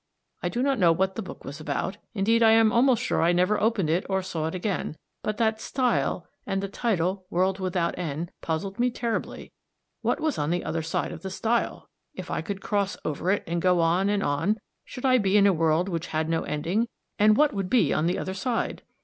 I do not know what the book was about, indeed I am almost sure I never opened it or saw it again, but that stile and the title "World without End" puzzled me terribly. What was on the other side of the stile? If I could cross over it and go on and on should I be in a world which had no ending, and what would be on the other side?